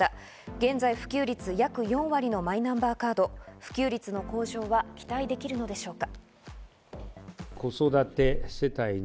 現在、普及率およそ４割のマイナンバーカード、普及率の向上は期待できるのでしょうか。